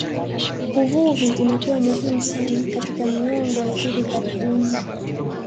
Uvuvi umekuwa muhimu sana katika miongo ya hivi karibuni